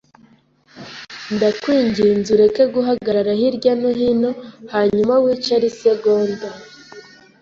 Ndakwinginze ureke guhagarara hirya no hino hanyuma wicare isegonda?